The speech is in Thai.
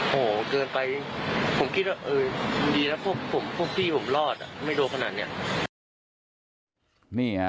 โหเกินไปผมคิดว่าเออดีนะพวกผมพวกพี่ผมรอดไม่โดนขนาดนี้